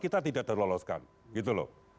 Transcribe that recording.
kita tidak terloloskan gitu loh